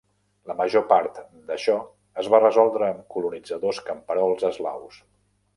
La major part d'això es va resoldre amb colonitzadors camperols eslaus.